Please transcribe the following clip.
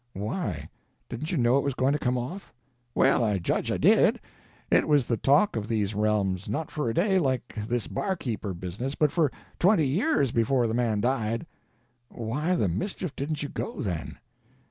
"Why? Didn't you know it was going to come off?" "Well, I judge I did. It was the talk of these realms—not for a day, like this barkeeper business, but for twenty years before the man died." "Why the mischief didn't you go, then?"